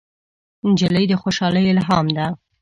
نجلۍ د خوشحالۍ الهام ده.